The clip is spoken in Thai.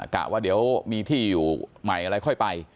กะว่าเดี๋ยวมีที่อยู่ใหม่อะไรค่อยไป